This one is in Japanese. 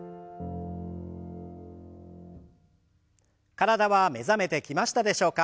体は目覚めてきましたでしょうか？